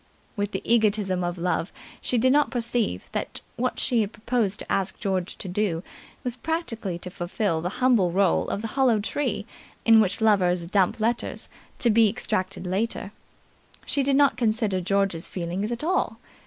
With the egotism of love, she did not perceive that what she proposed to ask George to do was practically to fulfil the humble role of the hollow tree in which lovers dump letters, to be extracted later; she did not consider George's feelings at all.